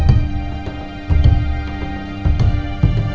jadi gak usah bikin malu ya tolong